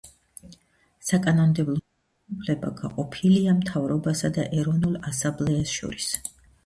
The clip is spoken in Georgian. საკანონმდებლო ხელისუფლება გაყოფილია მთავრობასა და ეროვნულ ასამბლეას შორის.